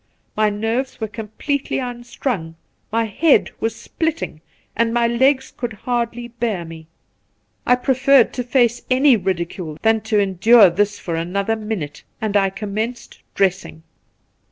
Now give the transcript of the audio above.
My nerves were completely unstrung, my head was splitting, and my legs could hardly bear me. I preferred to face any ridicule rather than endure this for another 1 82 The Pool minulie, and I commenced dressing.